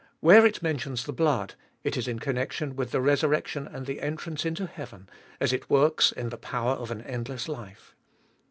Where it mentions the blood, it is in connection with the resurrection and the entrance into heaven, as it works in the power of an endless life.